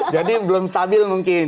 jadi belum stabil mungkin